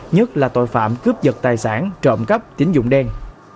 nhất là tội phạm cướp vật tài sản trộm cắp tín dụng đen